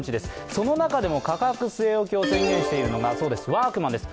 その中でも価格据え置きを宣言しているのがワークマンです。